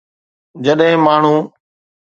جڏهن ماڻهو